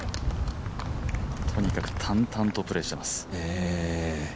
とにかく淡々とプレーしています。